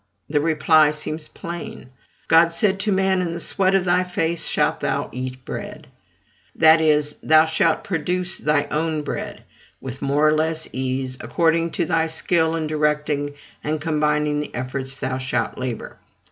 The reply seems plain. God said to man, "In the sweat of thy face shalt thou eat bread," that is, thou shalt produce thy own bread: with more or less ease, according to thy skill in directing and combining thy efforts, thou shalt labor.